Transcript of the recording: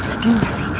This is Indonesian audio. apa sih ini sih